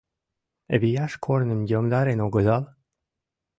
— Вияш корным йомдарен огыдал?